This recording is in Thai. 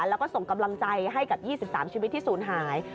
แล้วก็ส่งกำลังใจให้กับ๒๓ชีวิตที่ศูนย์หาย